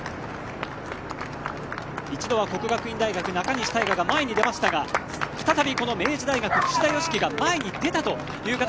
一度は國學院大學中西大翔が前に出ましたが再び明治大学、櫛田佳希が前に出たという形。